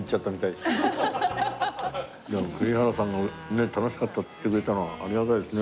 でも栗原さんがね楽しかったって言ってくれたのはありがたいですね。